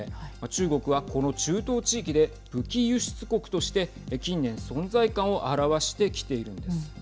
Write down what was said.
中国はこの中東地域で武器輸出国として近年存在感を表してきているんです。